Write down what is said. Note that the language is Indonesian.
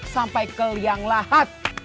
sampai keliang lahat